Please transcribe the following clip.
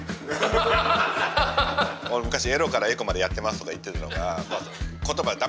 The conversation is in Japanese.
俺昔「ＥＲＯからＥＣＯまでやってます」とか言ってたのが「言葉ダメ！